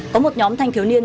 có một nhóm thanh thiếu niên